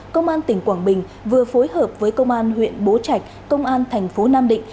công an tỉnh quảng bình vừa phối hợp với công an huyện bố trạch công an tp nam định